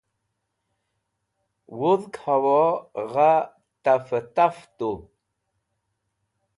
wudg hawo gha taf taf tu